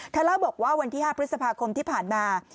เล่าบอกว่าวันที่๕พฤษภาคมที่ผ่านมา